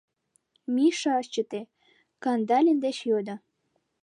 — Миша ыш чыте, Кандалин деч йодо.